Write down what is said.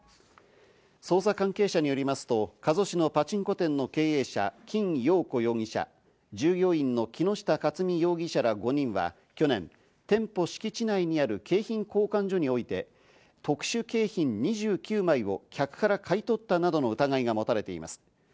捜査関係者によりますと加須市のパチンコ店の経営者、金洋子容疑者、従業員の木下克美容疑者ら５人は去年、店舗敷地内にある景品交換所において、特殊景品２９枚を客から買い取ったなどの疑いが持たれています。